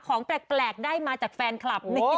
ของแปลกได้มาจากแฟนคลับ